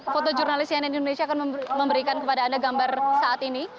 foto jurnalis cnn indonesia akan memberikan kepada anda gambar saat ini